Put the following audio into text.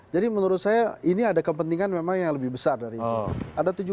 jadi menurut saya ini ada kepentingan memang yang lebih besar dari itu